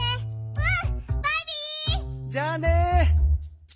うん！